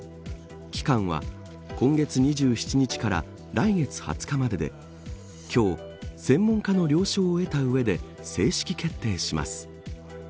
期間は今月２７日から来月２０日までで今日、専門家の了承を得た上で正式決定します。